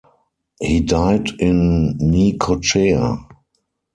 He died in Necochea.